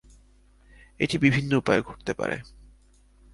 এটি বিভিন্ন উপায়ে ঘটতে পারে।